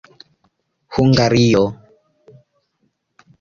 Hungario.